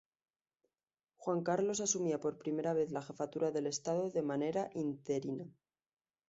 Juan Carlos asumía por primera vez la jefatura del Estado de manera interina.